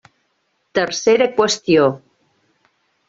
Tercera qüestió.